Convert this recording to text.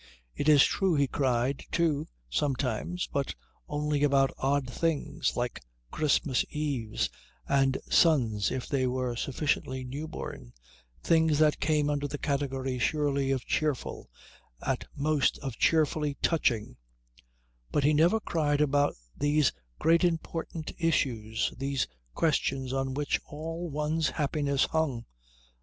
It is true he cried, too, sometimes, but only about odd things like Christmas Eves and sons if they were sufficiently new born things that came under the category surely of cheerful, at most of cheerfully touching; but he never cried about these great important issues, these questions on which all one's happiness hung.